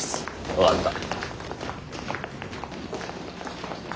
分かった。